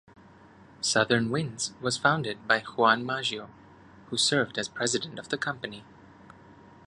Southern Winds was founded by Juan Maggio, who served as president of the company.